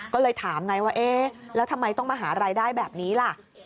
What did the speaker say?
ก็เลยถามไงว่าเอ๊ะแล้วทำไมต้องมาหารายได้แบบนี้ล่ะ